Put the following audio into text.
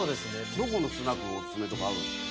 どこのスナックがお薦めとかあるんですか？